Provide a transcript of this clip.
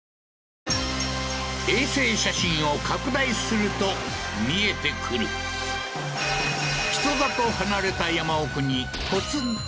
衛星写真を拡大すると見えてくる人里離れた